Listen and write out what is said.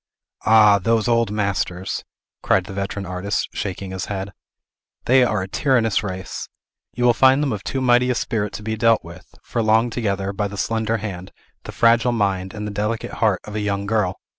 "Ah, those old masters!" cried the veteran artist, shaking his head. "They are a tyrannous race! You will find them of too mighty a spirit to be dealt with, for long together, by the slender hand, the fragile mind, and the delicate heart, of a young girl.